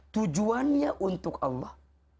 tujuannya untuk allah